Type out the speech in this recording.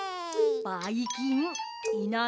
ばいきんいない？